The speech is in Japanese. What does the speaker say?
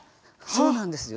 そうなんです。